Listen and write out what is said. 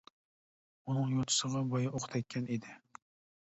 ئۇنىڭ يوتىسىغا بايا ئوق تەككەن ئىدى.